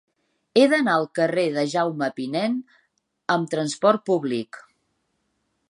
He d'anar al carrer de Jaume Pinent amb trasport públic.